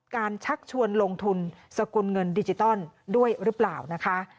ชักชวนลงทุนสกุลเงินดิจิตอลด้วยหรือเปล่านะคะ